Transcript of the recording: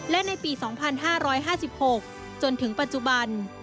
และในปี๒๕๕๖จนถึงปัจจุบัน